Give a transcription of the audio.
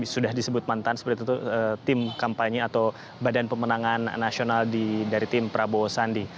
sudah disebut mantan seperti itu tim kampanye atau badan pemenangan nasional dari tim prabowo sandi